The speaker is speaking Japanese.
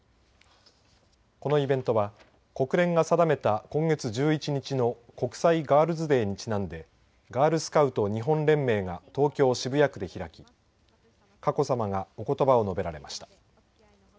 このイベントは国連が定めた今月１１日の国際ガールズ・デーにちなんでガールスカウト日本連盟が東京・渋谷区で開き佳子さまがおことばを述べられました。